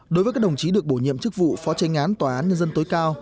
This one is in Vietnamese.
đối với các đồng chí được bổ nhiệm chức vụ phó tranh án tòa án nhân dân tối cao